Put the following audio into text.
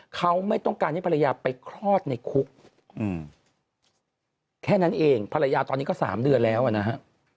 เขาไม่ต้องการให้ภรรยาไปคลอดในคุกแค่นั้นเองภรรยาตอนนี้ก็๓เดือนแล้วนะฮะ